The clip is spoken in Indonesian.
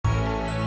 di bawa sepeda say